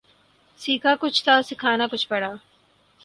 سیکھا کچھ تھا سکھانا کچھ پڑا